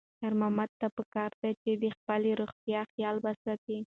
خیر محمد ته پکار ده چې د خپلې روغتیا خیال وساتي.